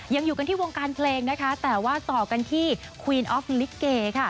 ยังอยู่กันที่วงการเพลงนะคะแต่ว่าต่อกันที่ควีนออฟลิเกค่ะ